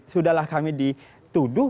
sudahlah kami dituduh